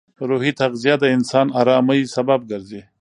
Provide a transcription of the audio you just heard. روحي تغذیه د انسان ارامۍ سبب ګرځي.